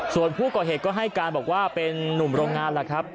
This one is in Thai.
ส่วนผู้ก่อเหตุก็ให้การบอกว่าเป็นนุ่มโรงงานแหละครับ